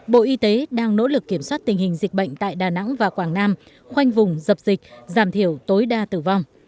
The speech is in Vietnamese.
bộ y tế đang nỗ lực kiểm soát tình hình dịch bệnh tại đà nẵng và quảng nam khoanh vùng dập dịch giảm thiểu tối đa tử vong